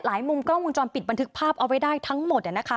มุมกล้องวงจรปิดบันทึกภาพเอาไว้ได้ทั้งหมดนะคะ